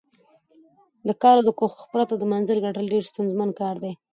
د کار او کوښښ پرته د منزل ګټل ډېر ستونزمن کار دی.